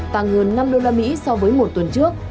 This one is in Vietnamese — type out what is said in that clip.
tăng hơn năm usd so với một tuần trước